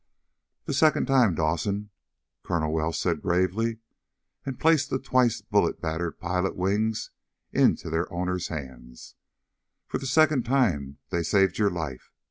"The second time, Dawson," Colonel Welsh said gravely, and placed the twice bullet battered pilot's wings into their owner's hands. "For the second time they saved your life.